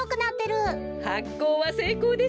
はっこうはせいこうですね。